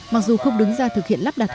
mặc dù không đứng ra thực hiện lắp đặt